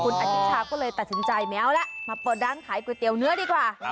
คุณอธิชาก็เลยตัดสินใจไม่เอาแล้วมาเปิดร้านขายก๋วยเตี๋ยวเนื้อดีกว่า